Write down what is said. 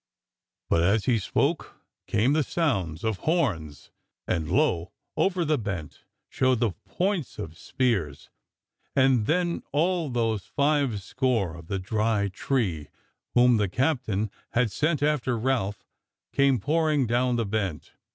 But as he spoke, came the sounds of horns, and lo, over the bent showed the points of spears, and then all those five score of the Dry Tree whom the captain had sent after Ralph came pouring down the bent.